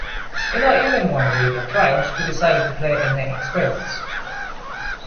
In not even one week of trials we decided to play and make experiments.